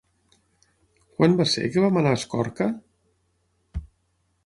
Quan va ser que vam anar a Escorca?